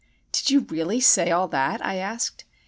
"Did you really say all that?" I asked.